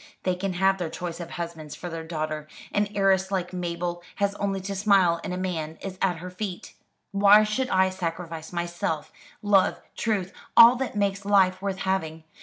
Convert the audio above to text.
They can have their choice of husbands for their daughter; an heiress like Mabel has only to smile, and a man is at her feet. Why should I sacrifice myself, love, truth, all that makes life worth having?